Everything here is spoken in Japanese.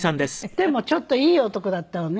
でもちょっといい男だったわね。